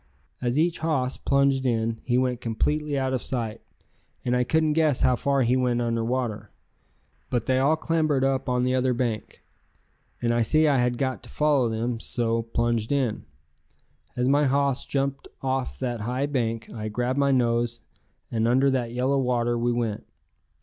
As each hoss plunged in he went completely out of sight, and I couldn't guess how far he went under water. But they all clambered up on the other bank, and I see I had got to follow them, so plunged in. As my hoss jumped off that high bank, I grabbed my nose and under that yellow water we went.